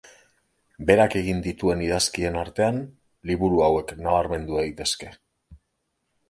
Berak egin dituen idazkien artean liburu hauek nabarmendu daitezke.